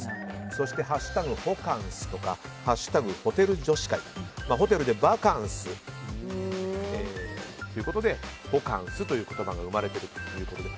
そして「＃ホカンス」とか「＃ホテル女子会」とホテルでバカンスということでホカンスという言葉が生まれているということで。